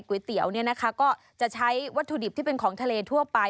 ก๋วยเตี๋ยวก็จะใช้วัตถุดิบที่เป็นของทะเลทั่วไป